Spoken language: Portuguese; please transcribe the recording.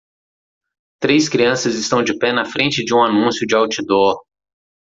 Três crianças estão de pé na frente de um anúncio de outdoor.